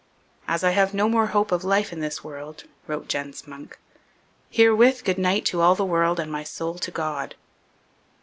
'As I have no more hope of life in this world,' wrote Jens Munck, 'herewith good night to all the world and my soul to God.'